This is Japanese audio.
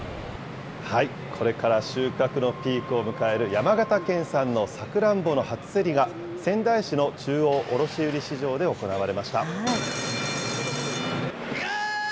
これから収穫のピークを迎える山形県産のさくらんぼの初競りが、仙台市の中央卸売市場で行われました。